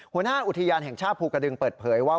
หัวหน้าอุทยานแห่งชาติภูกระดึงเปิดเผยว่า